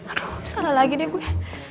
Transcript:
aduh salah lagi deh gue